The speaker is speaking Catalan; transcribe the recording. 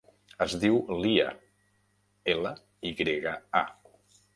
Es diu Lya: ela, i grega, a.